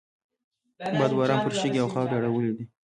باد و باران پرې شګې او خاورې اړولی دي.